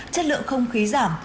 chất lượng không khí giảm